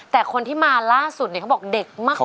แต่คนที่มาล่าสุดเขาบอกเด็กมากเลย